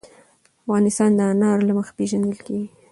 افغانستان د انار له مخې پېژندل کېږي.